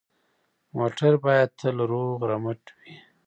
موټر باید تل روغ رمټ وي.